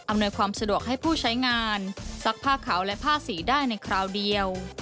ความสะดวกให้ผู้ใช้งานซักผ้าขาวและผ้าสีได้ในคราวเดียว